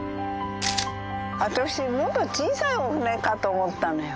私もっと小さいお船かと思ったのよ。